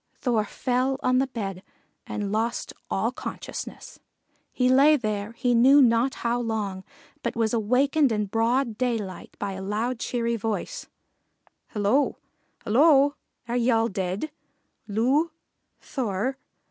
Thor fell on the bed and lost all consciousness. He lay there he knew not how long, but was awakened in broad daylight by a loud, cheery voice: "Hello! Hello! are ye all dead? Loo! Thor!